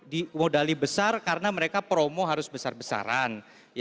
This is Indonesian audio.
dimodali besar karena mereka promo harus besar besaran